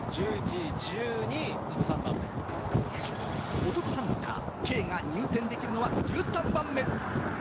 お得ハンター・兄が入店できるのは１３番目。